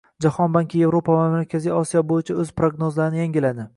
Jahon banki Evropa va Markaziy Osiyo bo'yicha o'z prognozlarini yangiladi